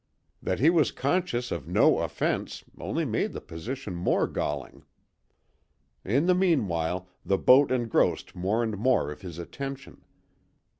That he was conscious of no offence only made the position more galling. In the meanwhile, the boat engrossed more and more of his attention.